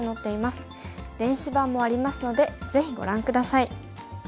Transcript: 電子版もありますのでぜひご覧下さい。